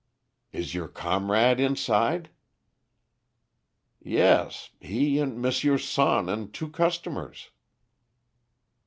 "Is your comrade inside?" "Yes; he and M. Sonne and two customers."